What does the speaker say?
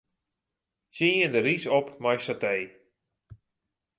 Tsjinje de rys op mei satee.